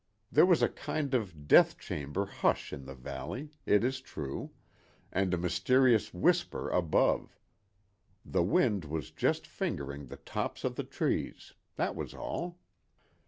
There was a kind of death chamber hush in the valley, it is true, and a mysterious whisper above: the wind was just fingering the tops of the trees—that was all.